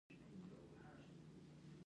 بلا د اغه نه وېرېږي چې پزه يې بيېږي.